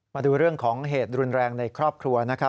มาดูเรื่องของเหตุรุนแรงในครอบครัวนะครับ